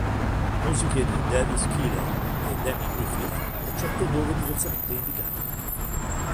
Musiche di Darius Keeler e Danny Griffiths, eccetto dove diversamente indicato.